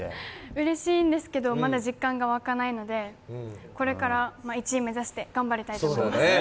うれしいんですけど、まだ実感がわかないので、こから１位目指して頑張りたいと思います。